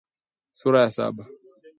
Sura ya saba